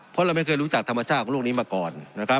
เพราะเราไม่เคยรู้จักธรรมชาติของโลกนี้มาก่อนนะครับ